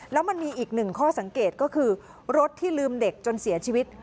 แล้วมันมีอีกหนึ่งข้อสังเกตก็คือรถที่ลืมเด็กจนเสียชีวิต